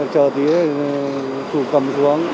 chờ tí chủ cầm xuống